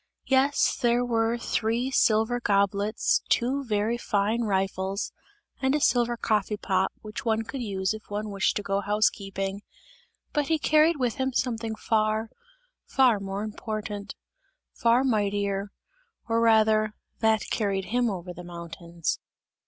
Yes, there were three silver goblets, two very fine rifles and a silver coffee pot, which one could use if one wished to go to house keeping; but he carried with him something far, far more important, far mightier, or rather that carried him over the high mountains.